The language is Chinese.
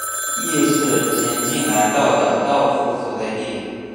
亦是咸镜南道的道府所在地。